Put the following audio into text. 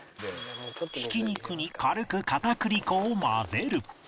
ひき肉に軽く片栗粉を混ぜる